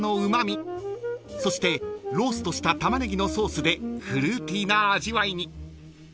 ［そしてローストしたタマネギのソースでフルーティーな味わいに］